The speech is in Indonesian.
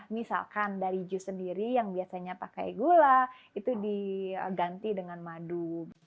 misalkan dari jus sendiri yang biasanya pakai gula itu diganti dengan madu